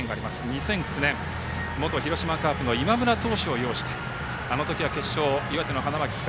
２００９年、元広島カープの今村投手を擁してあの時は決勝、岩手の花巻東。